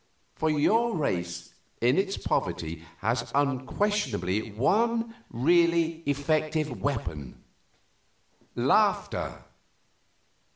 For your race, in its poverty, has, unquestionably one really effective weapon laughter.